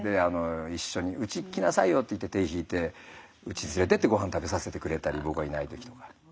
一緒にうち来なさいよって言って手引いてうちに連れてってごはん食べさせてくれたり僕がいない時とか。